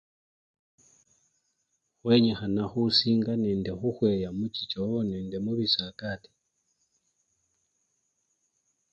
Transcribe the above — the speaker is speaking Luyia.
Khwenyikhana khusinga nende khukhweya muchichoo nende mubisakati.